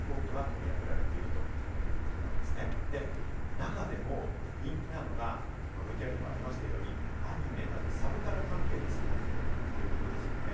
中でも人気なのが、ＶＴＲにありましたように、アニメなどサブカル関係のスポットということでしたよね。